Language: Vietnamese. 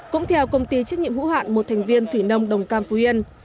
cũng theo công ty trách nhiệm hữu hạn một thành viên thủy nông đồng cam phú yên